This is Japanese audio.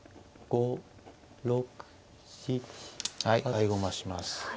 はい合駒します。